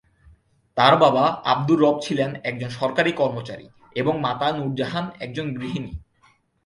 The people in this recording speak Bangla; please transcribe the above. তার বাবা আব্দুর রব ছিলেন একজন সরকারি কর্মচারী এবং মাতা নূরজাহান একজন গৃহিণী।